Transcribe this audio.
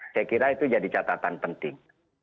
saya kira itu jadi catatan penting